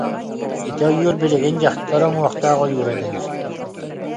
Ити ойуур билигин Дьахтар уҥуохтаах ойуура дэнэр